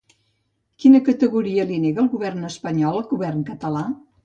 Quina categoria li nega el govern espanyol al govern català?